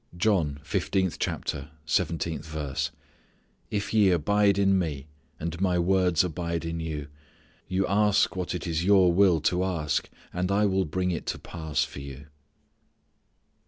John, fifteenth chapter, seventh verse, "If ye abide in Me, and My words abide in you, you ask what it is your will to ask, and I will bring it to pass for you."